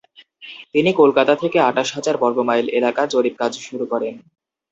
তিনি কলকাতা থেকে আঠাশ হাজার বর্গমাইল এলাকা জরিপকাজ শুরু করেন।